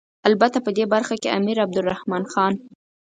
البته په دې برخه کې امیر عبدالرحمن خان.